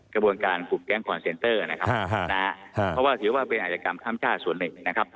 กระบวนการขุดแก๊งคอนเซนเตอร์นะครับเพราะว่าถือว่าเป็นอาจกรรมข้ามชาติส่วนหนึ่งนะครับ